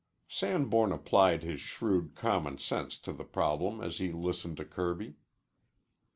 Sanborn applied his shrewd common sense to the problem as he listened to Kirby.